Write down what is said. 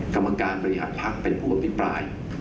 กรรมการบริหารพักเป็นผู้อภิปราย